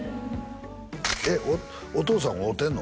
お父さん会うてんの？